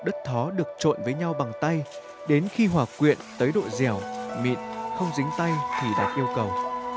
đó là hình ảnh khi hòa quyện tới độ dẻo mịn không dính tay thì đạt yêu cầu